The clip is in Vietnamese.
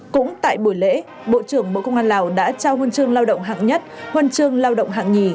cũng tại buổi lễ bộ trưởng bộ công an lào đã trao huân chương lao động hạng nhất huân chương lao động hạng nhì